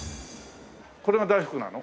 これが大福なの？